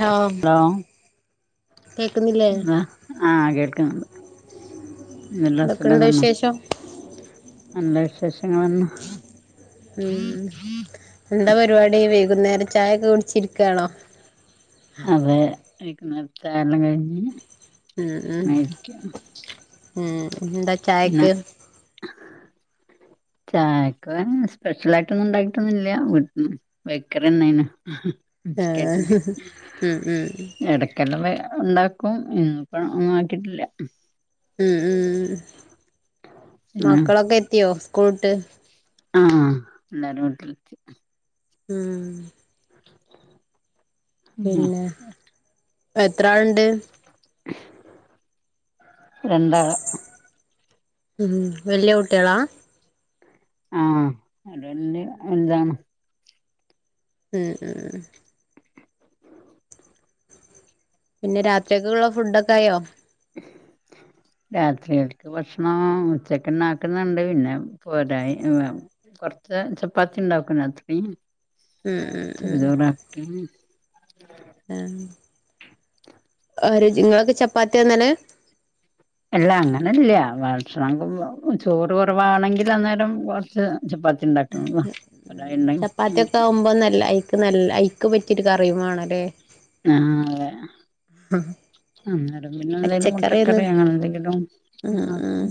Hello law കേക്കുന്നില്ലേ ആഹ് ആ കേൾക്ക്ണ്ട് നല്ലസുഖം എന്തൊക്കെയുണ്ട് തന്ന വിശേഷം അന്റെ വിശേഷങ്ങൾ എന്ന ഉം എന്താ പരിവാടി വൈകുന്നേര ചായൊക്കെ കുടിച്ചിരിക്കാണോ അതെ വൈകുന്നേരത്തെ ചാ എല്ലം കഴിഞ്ഞ് ഉം ഉം ങ്ങനെ ഇരിക്യാണ് ഉം എന്താ പിന്നെ ചായക്ക് ചായക്ക്ങ്ങനെ സ്പെഷ്യലായിട്ടൊന്നും ണ്ടാക്കിയിട്ടൊന്നൂല്യ വീട്ടല് ബേക്കറിയന്നെണ് ബിസ്ക്കറ്റ് ആഹ് ഉം ഉം എട ക്കടറെ ഉണ്ടാക്കും ഇന്ന്പ്പ ഒന്നും ആക്കിയിട്ടില്ല ഉം ഉം പിന്നെ മക്കളൊക്കെ എത്തിയോ സ്കൂള്ട്ട് ആഹ് എല്ലാരും വീട്ടിൽ എത്തി ഉം പിന്നെ എത്രള്ണ്ട് രണ്ടാള് ഉം വല്ല്യ കുട്ട്യോളാ ആഹ് അടഞ്ഞ് എന്താണ് ഉം ഉം പിന്നെ രാത്രിക്ക് ള്ള ഫുഡോക്കെ ആയോ രാത്രികക്ക് ഭക്ഷണം ഉച്ചക്ക ന്നാക് ന്ന് ണ്ട് പിന്നെ പോരായ് കൊറച്ച് ചപ്പാത്തി ണ്ടാക്കാണ രാത്രി ഉം ഉം പിന്നെ ഉം ചോറ് ആക്കി ആഹ് ആര് നിങ്ങളൊക്കെ ചപ്പാത്തി യാ ന്നല് അല്ല അങ്ങനെല്ല. ഭക്ഷണം ചോറ് കൊറവാണെങ്കിൽ അന്നേരം കുറച്ച് ചപ്പാത്തിണ്ടാക്കും. ചപ്പാത്തിക്കെ ആവുമ്പോ നല്ല ഐക്ക് നല്ല ഐക്ക് പറ്റി ഒര് കറിം വേണല്ലേ ആഹ് അതെ അന്നേരം പിന്നെ എന്തെങ്കിലും പച്ചക്കറിയൊന്നും മുട്ടക്കറി അങ്ങെന്തെങ്കിലും ഉം മാക്ക ഉം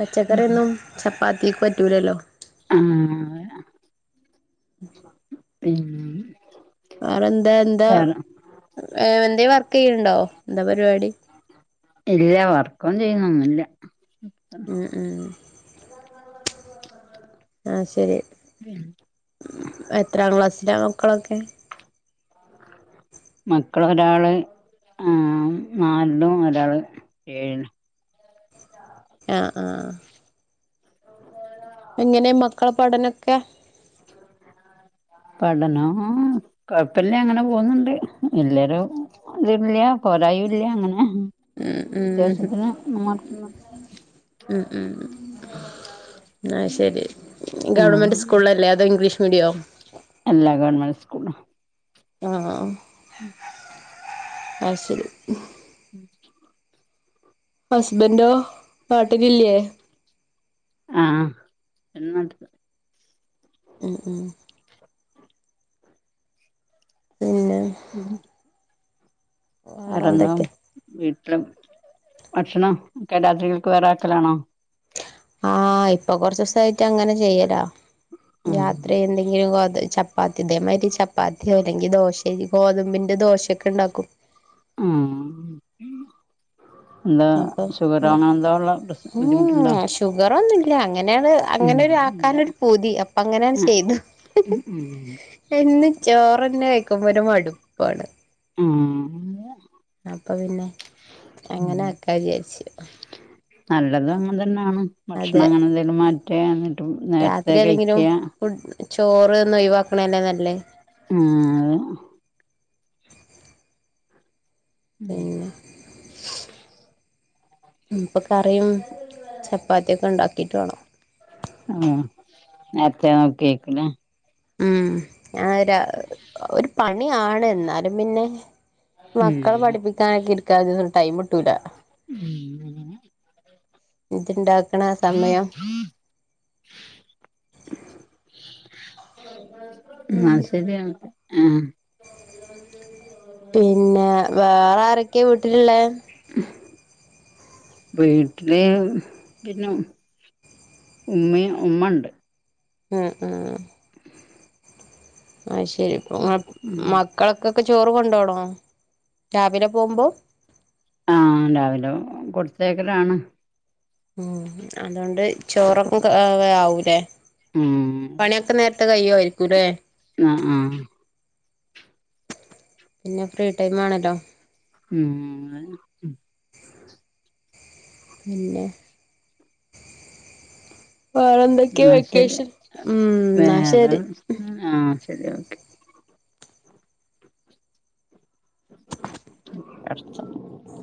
പച്ചക്കറിന്നും ചപ്പാത്തിക്ക് പറ്റൂലല്ലോ. ആഹ പിം വേറെ എന്താ എന്താ എന്താ വർക്ക്യ്യണ്ടോ എന്താ പരിപാടി ഇല്ല വർക്കും ചെയ്യുന്നൊന്നുല്ല ഉം ഉം ആയ്ശരി എത്രാം ക്ലാസ്സില മക്കളൊക്കെ [inaudible] മക്കളൊരാള് ആഹ് നാലിലും ഒരാള് ഏയിലും ആഹ് ആഹ് എങ്ങനെ മക്കള പഠനൊക്കെ പഠനം കൊഴപ്പില്ല അങ്ങനെ പോന്നുണ്ട് എല്ലരും അത്ല്ല പോരായു ഇല്ല അങ്ങനെ ഉം ഉം അത്യാവശ്യത്തിന് മാ.. ഉം ഉം ആഹ്ശരി ഉം ഗവൺമെന്റ് സ്കൂളിലല്ലേ അതോ ഇംഗ്ലീഷ് മീഡിയോ എല്ല ഗവർൺമെന്റ് സ്കൂള് ആഹ് ഉം ആഹ്ശരി [inaudible] ഹസ്ബൻന്റോ നാട്ടിലില്ലേ ആഹ് എന്ന ഉം ഉം പിന്നെ ഉം വെറെന്നും വേറെന്തൊക്കെ വീട്ടിലും ഭക്ഷണം ക്കെ രാത്രികക്ക് വേറെ ആക്കലാണോ ആഹ് ഇപ്പൊ കൊറച്ചിസയിട്ട് അങ്ങനെ ചെയ്യല ആഹ് രാത്രി എന്തെങ്കിലും.. അപ്പ ഇതെമാതിരി ചപ്പാത്തിയോ അല്ലെങ്കിൽ ദോശ ഗോതമ്പിന്റെ ദോശക്കെ ണ്ടാക്കും ഉം എന്താ ഇപ്പം ഷുഖർ അങ്ങ എന്താ ഉള്ള പ്രശ് ബുദ്ധിമുട്ടുണ്ടോ ഷുഗറൊന്നുംല്ല അങ്ങനെയാണ് ഉം അങ്ങനെരു ഇല്ല ആക്കാനൊരു പൂതി അപ്പൊ അങ്ങനെണ് ആഹ് ചെയ്തു ഉം എന്നും ചോറ്ന്നെ കഴക്കുമ്പോ ഒരു മടുപ്പാണ് ഉം അപ്പ പിന്നെ ഉം അങ്ങനെ ആക്കാന്ന് വിചാരിച്ചു നല്ലതും അങ്ങന് തന്നണ് ഭക്ഷണം അതെ അങ്ങനെ എന്തെങ്കിലും മാറ്റി എന്നിട്ടും നേർത്തെ രാത്രി ആണെങ്കിലും കഴിക്യാ. ചോറ് ഒന്ന് ഒഴിവാക്കണല്ലേ നല്ലേ [inaudible] പിന്നെ [inaudible] മ് ഇപ്പൊ കറിയും ചപ്പാത്തിയൊക്കെ ഇണ്ടാക്കിട്ട് വേണം. ആഹ് നേരത്തെ നോക്കി വെക്കുംല്ലേ ഉം ഞ ഒരാ ഒരു പണിയാണ് എന്നാലും പിന്നെ ഉം മക്കളെ പഠിപ്പിക്കാനായിട്ടിരിക്കാനൊന്നും ടൈം കിട്ടൂല ഇത്ണ്ടാക്കണ സമയം മ് അത് ശരിയാണ് ആഹ് പിന്നെ വേറാരൊക്കെയാ വീട്ടിലുള്ളേ? [inaudible] വീട്ടില് പിന്നെ ഉം ഉമ്മയും ഉമ്മ ഇണ്ട് ഉം ഉം ആ ശരി അപ്പോ മ ഉം മക്കളക്കക്കെ ചോറ് കൊണ്ടോണോ രാവിലെ പോമ്പോ ആഹ് രാവിലെ കൊടുത്തേക്കലാണ് ഉം അതൊണ്ട് ചോറോക്കും ക ആ ആവൂലേ ഉം പണിയൊക്കെ നേരത്തെ കയിയുവായിരിക്കുല്ലേ ന്ന ആഹ് പിന്നെ ഫ്രീ ടൈമാണല്ലോ ഉം ഉം പിന്നെ വേറെ എന്തൊക്കെയ എന്നാ ശരി വെക്കേഷൻ ഉം എന്നാ വേറെ ശരി ആഹ് ശരി ഓക്കെ [unintelligible]